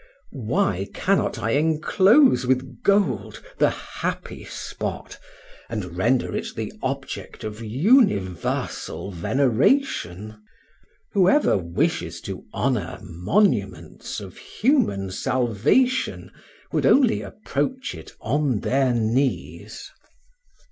Why cannot I enclose with gold the happy spot, and render it the object of universal veneration? Whoever wishes to honor monuments of human salvation would only approach it on their knees.